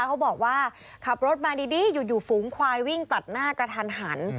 เขาบอกว่าขับรถมาดีอยู่ฝูงควายวิ่งตัดหน้ากระทันหัน